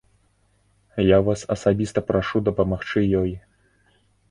Я вас асабіста прашу дапамагчы ёй.